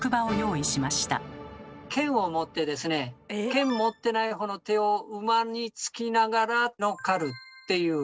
剣を持ってですね剣持ってないほうの手を馬につきながら乗っかるっていう。